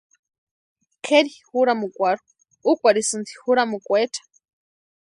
Kʼeri juramukwarhu úkwarhisïnti juramukwecha.